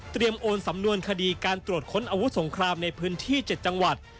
โอนสำนวนคดีการตรวจค้นอาวุธสงครามในพื้นที่๗จังหวัด